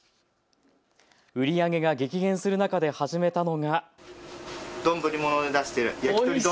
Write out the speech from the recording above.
売り上げが激減する中で始めたのが。